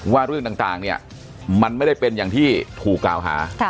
ว่าเรื่องต่างเนี่ยมันไม่ได้เป็นอย่างที่ถูกกล่าวหา